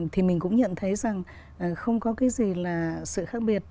thì mình cũng nhận thấy rằng không có cái gì là sự khác biệt